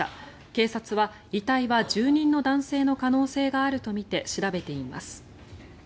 警察は遺体は住人の男性の可能性があるとみて調べています。